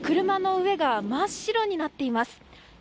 車の上が真っ白になっています。